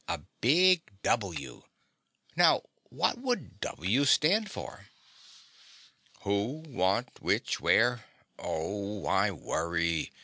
A big W. Now what would W stand for?" "Who, what, which, where, oh why worry?"